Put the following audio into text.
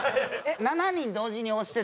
７人同時に推してた。